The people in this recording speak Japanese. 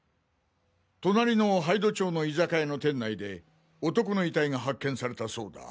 隣の杯戸町の居酒屋の店内で男の遺体が発見されたそうだ。